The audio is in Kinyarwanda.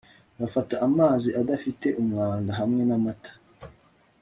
fata amazi adafite umwanda hamwe n'amata